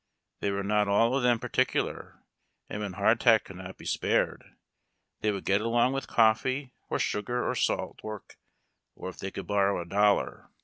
They were not all of them particular, and wdien hardtack could not be spared they would get along with coffee or sugar or salt pork ; or, if they could borrow a dollar.